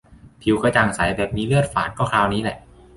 ผิวกระจ่างใสแบบมีเลือดฝาดก็คราวนี้แหละ